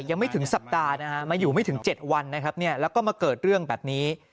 ยังไม่ถึงสัปดาห์นะฮะมาอยู่ไม่ถึง๗วันนะครับแล้วก็มาเกิดเรื่องแบบนี้